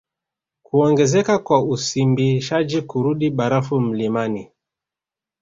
Kuongezeka kwa usimbishaji kurudi barafu mlimani